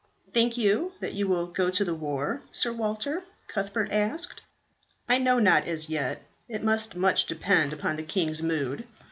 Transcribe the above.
"Think you that you will go to the war, Sir Walter?" Cuthbert asked. "I know not as yet; it must much depend upon the king's mood.